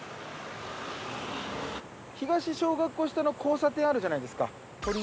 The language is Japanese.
東小学校下の交差点あるじゃないですか。